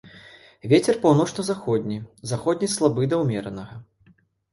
Вецер паўночна-заходні, заходні слабы да ўмеранага.